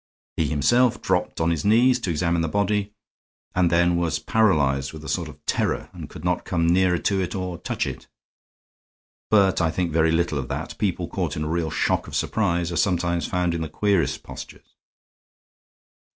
He himself dropped on his knees to examine the body, and then was paralyzed with a sort of terror and could not come nearer to it or touch it. But I think very little of that; people caught in a real shock of surprise are sometimes found in the queerest postures."